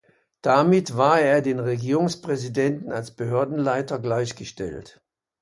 Damit war er den Regierungspräsidenten als Behördenleiter gleichgestellt.